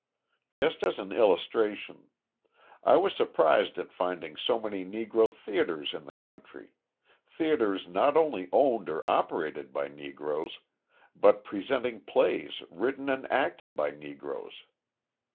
Just as an illustration: I was surprised at finding so many Negro theatres in the country theatres not only owned or operated by Negroes, but presenting plays written and acted by Negroes.